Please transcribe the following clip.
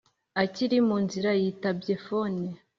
akiri munzira yitabye fone